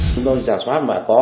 chúng tôi trả xác mà có